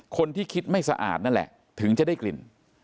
คิดไม่สะอาดนั่นแหละถึงจะได้กลิ่น